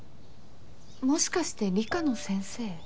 もしかして理科の先生？